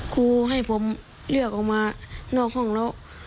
ครูให้ผมเลือกออกมานอกห้องแล้ว